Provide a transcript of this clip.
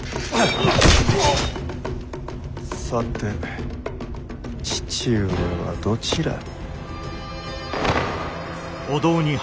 さて父上はどちらに？